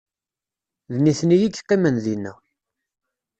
D nitni i yeqqimen dinna